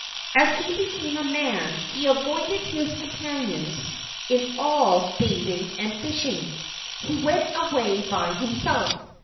As he became a man he avoided his companions in all bathing and fishing. He went away by himself.